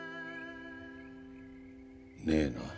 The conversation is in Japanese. ねえなあ。